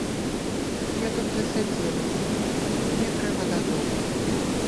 Я тут заседзелася, мне трэба дадому.